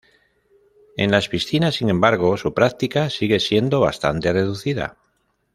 En las piscinas, sin embargo, su práctica sigue siendo bastante reducida.